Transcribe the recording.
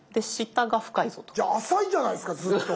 じゃあ浅いじゃないですかずっと。